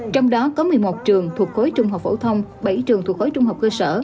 trong đó có một mươi một trường thuộc khối trung học phổ thông bảy trường thuộc khối trung học cơ sở